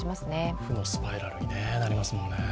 負のスパイラルになりますもんね。